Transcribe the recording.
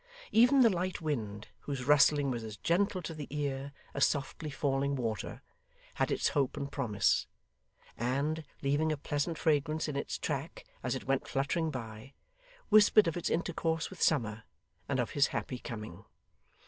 Even the light wind, whose rustling was as gentle to the ear as softly falling water, had its hope and promise; and, leaving a pleasant fragrance in its track as it went fluttering by, whispered of its intercourse with Summer, and of his happy coming.